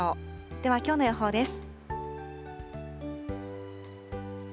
ではきょうの予報です。